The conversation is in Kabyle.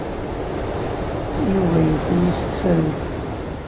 Yuba iwet-iyi s tefrut.